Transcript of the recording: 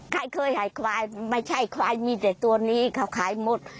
ใครเคยขายควายไม่ใช่ควายมีแต่ตัวนี้เขาขายหมด